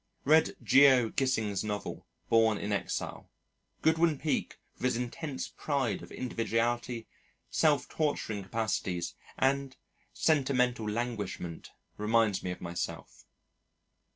Read Geo. Gissing's novel, Born in Exile. Godwin Peak, with his intense pride of individuality, self torturing capacities, and sentimental languishment, reminds me of myself.